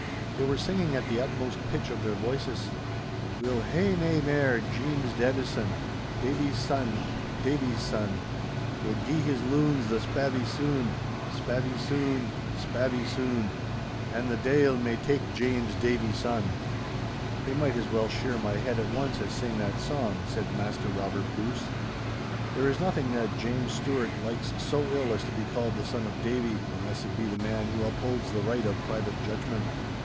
They were singing at the utmost pitch of their voices:— 'We'll hae nae mair Jeems Davie son, Davie's son—Davie's son! We'll gie his loons the spavie sune, Spavie sune, spavie sune, An' the deil may tak Jeems Davie son.' 'They might as well shear my head at once as sing that song,' said Maister Robert Bruce. 'There is nothing that James Stuart likes so ill as to be called the son of Davie, unless it be the man who upholds the right of private judgment!